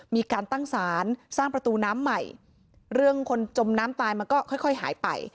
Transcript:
มีการตั้งสารสร้างประตูน้ำใหม่เรื่องคนจมน้ำตายมันก็ค่อยค่อยหายไป